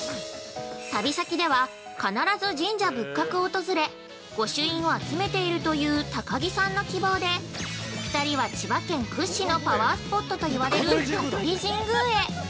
◆旅先では必ず神社仏閣を訪れ御朱印を集めているという高城さんの希望で２人は千葉県屈指のパワースポットといわれる香取神宮へ。